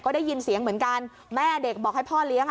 ก็ได้ยินเสียงเหมือนกันแม่เด็กบอกให้พ่อเลี้ยงอ่ะ